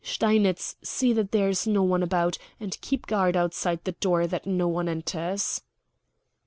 "Steinitz, see that there is no one about; and keep guard outside the door that no one enters."